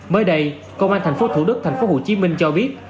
mới đây công an thành phố thủ đức thành phố hồ chí minh cho biết